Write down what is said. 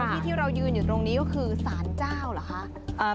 ที่ที่เรายืนอยู่ตรงนี้ก็คือสารเจ้าเหรอคะ